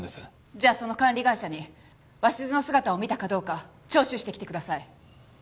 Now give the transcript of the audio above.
じゃあその管理会社に鷲頭の姿を見たかどうか聴取してきてください。